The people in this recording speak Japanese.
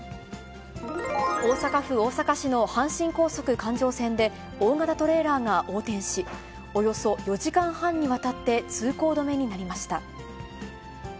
大阪府大阪市の阪神高速環状線で、大型トレーラーが横転し、およそ４時間半にわたって通行止めになりました。